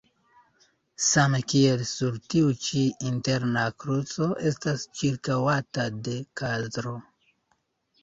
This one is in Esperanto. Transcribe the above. Same kiel sur tiu ĉi interna kruco estas ĉirkaŭata de kadro.